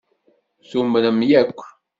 Tumrem yakk